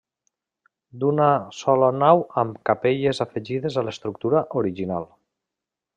D'una sola nau amb capelles afegides a l'estructura original.